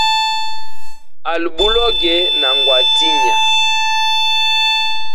Ali buloge na ngwa tinya.